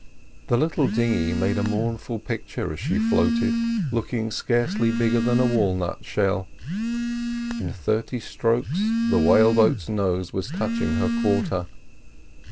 The little dinghy made a mournful picture as she floated, looking scarcely bigger than a walnut shell. In thirty strokes the whale boat's nose was touching her quarter.